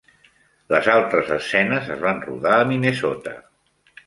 Les altres escenes es van rodar a Minnesota.